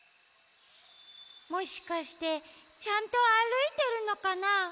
もしかしてちゃんとあるいてるのかな？